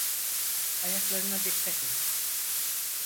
Ayaklarına dikkat et.